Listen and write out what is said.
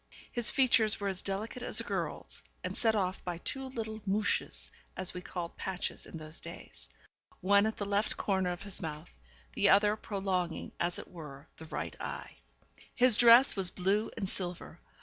His features were as delicate as a girl's, and set off by two little 'mouches,' as we called patches in those days, one at the left corner of his mouth, the other prolonging, as it were, the right eye. His dress was blue and silver.